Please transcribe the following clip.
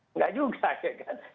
enggak juga ya kan